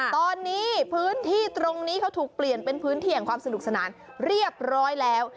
ตอนนี้พื้นที่ตรงนี้เขาถูกเปลี่ยนเป็นพื้นที่แห่งความสนุกสนานเรียบร้อยแล้ว